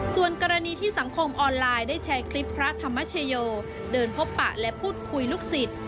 ส่วนกรณีที่สังคมออนไลน์ได้แชร์คลิปพระธรรมชโยเดินพบปะและพูดคุยลูกศิษย์